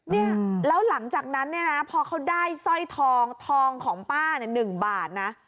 เนี่ยแล้วหลังจากนั้นเนี่ยนะพอเขาได้สร้อยทองทองของป้าเนี่ย๑บาทนะ